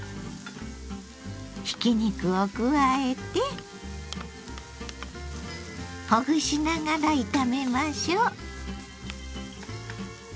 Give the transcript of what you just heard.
ひき肉を加えてほぐしながら炒めましょう。